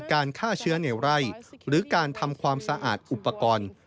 ฆ่าเชื้อในไร่หรือการทำความสะอาดอุปกรณ์